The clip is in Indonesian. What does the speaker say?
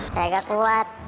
saya gak kuat